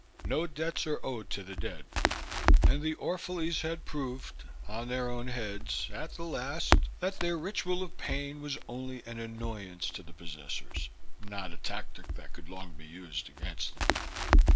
No debts are owed to the dead; and the Orphalese had proved on their own heads, at the last, that their ritual of pain was only an annoyance to the possessors, not a tactic that could long be used against them.